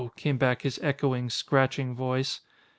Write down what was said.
came back his echoing, scratching voice.